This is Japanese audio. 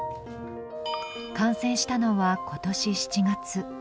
感染したのは今年７月。